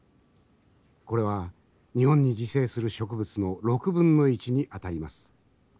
これは日本に自生する植物の６分の１にあたります。